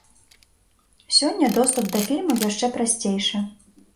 Сёння доступ да фільмаў яшчэ прасцейшы.